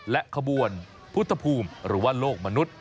และขบวนพุทธภูมิหรือว่าโลกมนุษย์